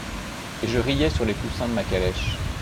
Et je riais sur les coussins de ma calèche.